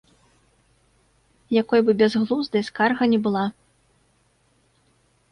Якой бы бязглуздай скарга ні была.